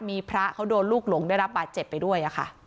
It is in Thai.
มีพระเขาโดนลูกหลงได้รับบาดเจ็บไปด้วยค่ะ